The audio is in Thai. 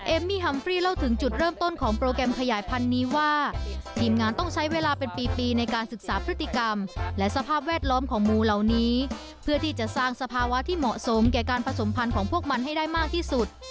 มี่ฮัมฟรีเล่าถึงจุดเริ่มต้นของโปรแกรมขยายพันธุ์นี้ว่าทีมงานต้องใช้เวลาเป็นปีปีในการศึกษาพฤติกรรมและสภาพแวดล้อมของหมูเหล่านี้เพื่อที่จะสร้างสภาวะที่เหมาะสมแก่การผสมพันธ์ของพวกมันให้ได้มากที่สุด